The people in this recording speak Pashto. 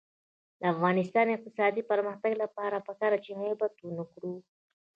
د افغانستان د اقتصادي پرمختګ لپاره پکار ده چې غیبت ونکړو.